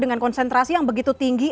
dengan konsentrasi yang begitu tinggi